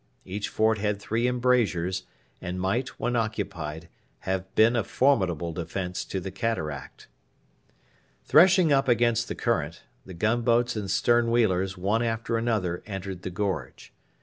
Each fort had three embrasures, and might, when occupied, have been a formidable defence to the cataract. Threshing up against the current, the gunboats and stern wheelers one after another entered the gorge.